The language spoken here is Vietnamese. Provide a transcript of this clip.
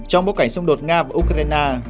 trong bối cảnh xung đột nga và ukraine